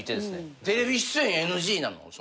テレビ出演ＮＧなの？